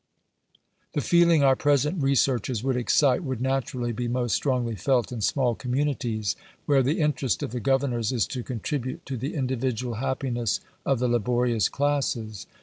The feeling our present researches would excite would naturally be most strongly felt in small communities, where the interest of the governors is to contribute to the individual happiness of the laborious classes.